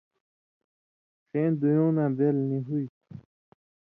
ݜَیں دُویُوں نہ بېل نی ہُوئ تھُو،